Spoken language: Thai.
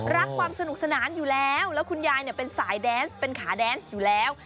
ความสนุกสนานอยู่แล้วแล้วคุณยายเป็นสายแดนส์เป็นขาแดนซ์อยู่แล้ว